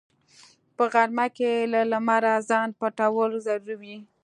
په غرمه کې له لمره ځان پټول ضروري وي